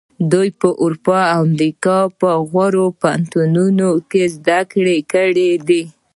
دوی په اروپا او امریکا کې په غوره پوهنتونونو کې زده کړې کړې دي.